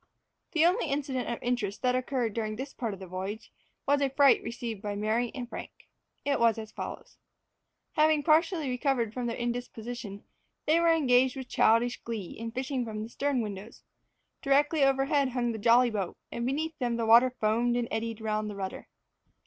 The only incident of interest that occurred during this part of the voyage, was a fright received by Mary and Frank. It was as follows: Having partially recovered from their indisposition, they were engaged with childish glee in fishing from the stern windows. Directly over head hung the jolly boat, and beneath them the water foamed and eddied round the rudder.